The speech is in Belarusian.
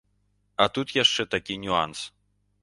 А тут яшчэ такі нюанс.